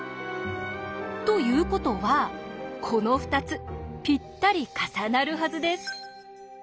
ということはこの２つぴったり重なるはずです。